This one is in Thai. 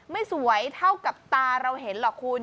ไม่สวยเท่ากับตาเราเห็นหรอกคุณ